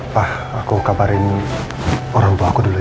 pak aku kabarin orang bawaku dulu ya